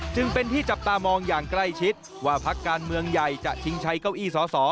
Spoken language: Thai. จึงเป็นที่จับตามองอย่างใกล้ชิดว่าพักการเมืองใหญ่จะชิงชัยเก้าอี้สอสอ